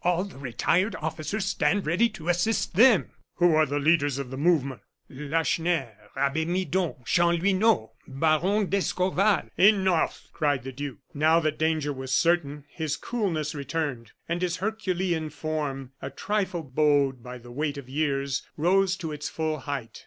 All the retired officers stand ready to assist them." "Who are the leaders of the movement?" "Lacheneur, Abbe Midon, Chanlouineau, Baron d'Escorval " "Enough!" cried the duke. Now that danger was certain, his coolness returned; and his herculean form, a trifle bowed by the weight of years, rose to its full height.